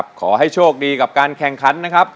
ขอให้โชคดีกับการแข่งขันนะครับ